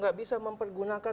bagaimana layaknya penyelenggara